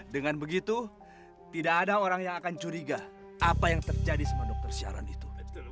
dengan begitu tidak ada orang yang akan curiga apa yang terjadi sama dokter siaran itu